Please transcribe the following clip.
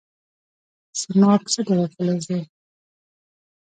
سیماب څه ډول فلز دی؟